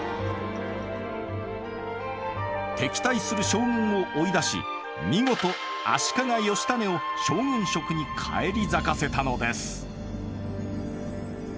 敵対する将軍を追い出し見事足利義稙を将軍職に返り咲かせたのです。